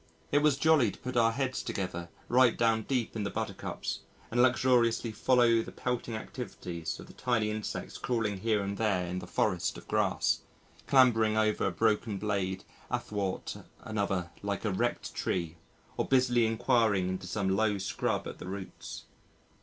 It was jolly to put our heads together right down deep in the Buttercups and luxuriously follow the pelting activities of the tiny insects crawling here and there in the forest of grass, clambering over a broken blade athwart another like a wrecked tree or busily enquiring into some low scrub at the roots.